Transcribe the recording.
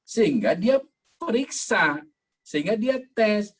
sehingga dia periksa sehingga dia tes